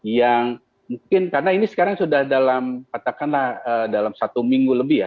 yang mungkin karena ini sekarang sudah dalam katakanlah dalam satu minggu lebih ya